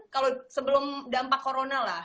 kalau sebelum dampak corona lah